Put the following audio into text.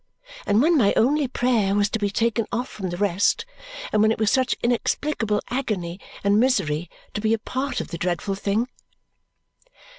And when my only prayer was to be taken off from the rest and when it was such inexplicable agony and misery to be a part of the dreadful thing?